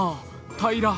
平ら。